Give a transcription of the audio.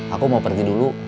aku mau pergi dulu